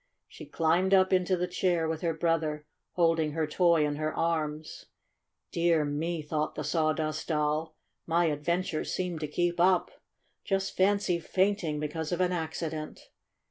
She climbed up into the chair with her brother, holding her toy in her arms. "Dear me!" thought the Sawdust Doll, "my adventures seem to keep up. Just fancy fainting because of an accident!